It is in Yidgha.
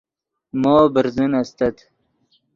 مو برزن استت